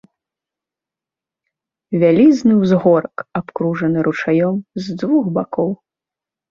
Вялізны ўзгорак, абкружаны ручаём з двух бакоў.